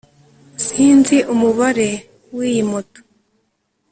sinzi umubare w'iyi moto